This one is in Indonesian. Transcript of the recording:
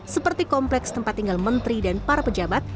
seperti kompleks tempat tinggal menteri dan para pejabat